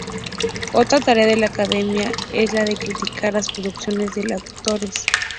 Otra tarea de la Academia es la de criticar las producciones de los autores.